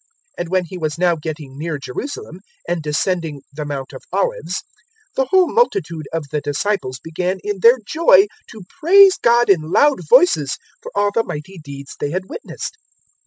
019:037 And when He was now getting near Jerusalem, and descending the Mount of Olives, the whole multitude of the disciples began in their joy to praise God in loud voices for all the mighty deeds they had witnessed.